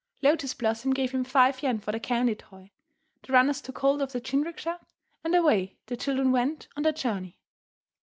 Lotus Blossom gave him five yen for the candy toy, the runners took hold of the jinrikisha, and away the children went on their journey.